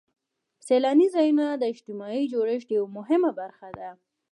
سیلاني ځایونه د اجتماعي جوړښت یوه مهمه برخه ده.